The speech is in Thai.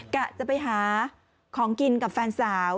กะจะไปหาของกินกับแฟนสาว